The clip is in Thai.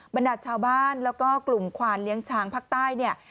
บรรดาชาวบ้านและกลุ่มขวานเลี้ยงช้างภาคใต้